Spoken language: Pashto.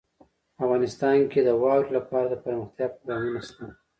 افغانستان کې د واوره لپاره دپرمختیا پروګرامونه شته.